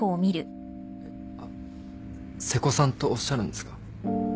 瀬古さんとおっしゃるんですか？